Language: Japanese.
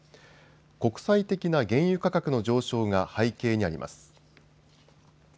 国際的な原油価格の上昇が背景にあります。